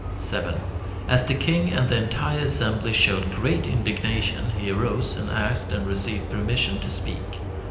7. As the king and the entire assembly showed great indignation, he arose, and asked and received permission to speak.